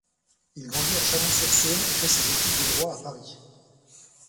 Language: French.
Il grandit à Chalon-sur-Saône et fait ses études de droit à Paris.